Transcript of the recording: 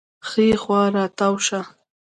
ښي خوا راتاو شه